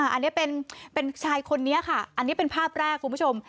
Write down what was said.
อันนี้เป็นชายคนนี้ค่ะอันนี้เป็นภาพแรกคุณผู้ชม